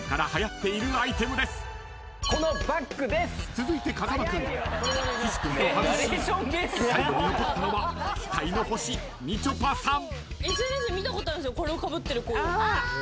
［続いて風間君岸君と外し最後に残ったのは期待の星みちょぱさん］